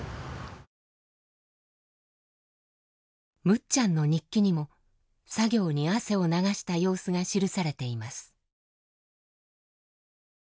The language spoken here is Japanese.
むっちゃんの日記にも作業に汗を流した様子が記されています。